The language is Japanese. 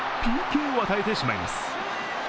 ＰＫを与えてしまいます。